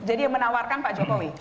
jadi menawarkan pak jokowi